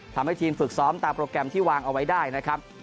ทำให้ทีมฝึกซ้อมตามโปรแกรมที่วางเอาไว้ได้นะครับ